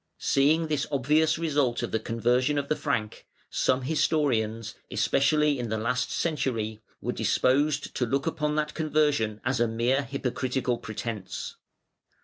Seeing this obvious result of the conversion of the Frank, some historians, especially in the last century, were disposed to look upon that conversion as a mere hypocritical pretence.